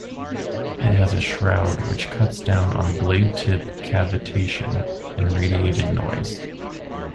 It has a shroud which cuts down on blade-tip cavitation and radiated noise.